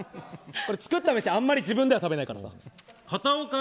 作った飯あんまり自分では食べないからね。